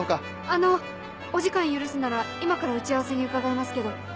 あのお時間許すなら今から打ち合わせに伺いますけど。